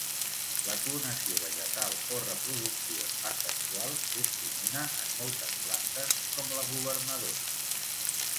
La clonació vegetal o reproducció asexual és comuna en moltes plantes, com la governadora.